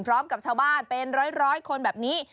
พร้อมกับชาวบ้านเป็นร้อยคนแบบนี้